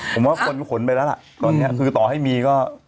ผมว่าคนขนไปแล้วล่ะตอนนี้คือต่อให้มีก็